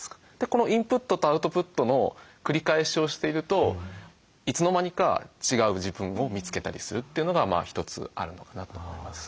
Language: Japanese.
このインプットとアウトプットの繰り返しをしているといつの間にか違う自分を見つけたりするというのが一つあるのかなと思います。